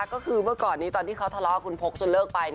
ก็คือเมื่อก่อนนี้ตอนที่เขาทะเลาะกับคุณพกจนเลิกไป